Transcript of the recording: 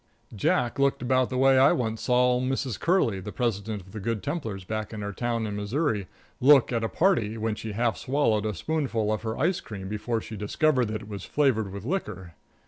Jack looked about the way I once saw old Miss Curley, the president of the Good Templars back in our town in Missouri, look at a party when she half swallowed a spoonful of her ice cream before she discovered that it was flavored with liquor.